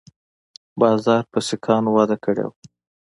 بازار په سیکانو وده کړې وه